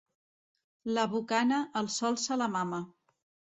La bocana, el sol se la mama.